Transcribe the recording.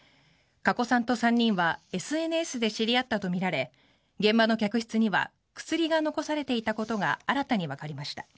加古さんと３人はＳＮＳで知り合ったとみられ現場の客室には薬が残されていたことが新たに分かりました。